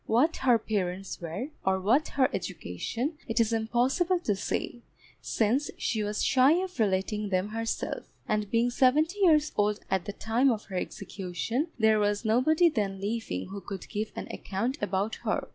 What her parents were, or what her education it is impossible to say, since she was shy of relating them herself; and being seventy years old at the time of her execution, there was nobody then living who could give an account about her.